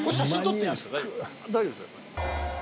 大丈夫ですよ。